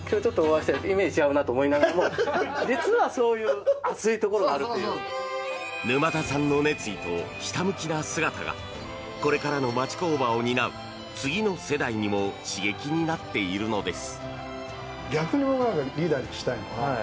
メッキ職人との二刀流について沼田さんは。沼田さんの熱意とひたむきな姿がこれからの町工場を担う次の世代にも刺激になっているのです。